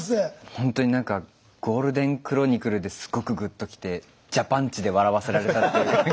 ほんとになんかゴールデンクロニクルですごくグッときてジャパンチで笑わせられたっていう。